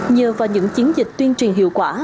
nhờ vào những chiến dịch tuyên truyền hiệu quả